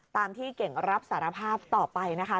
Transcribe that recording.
ตามที่เก่งรับสารภาพต่อไปนะคะ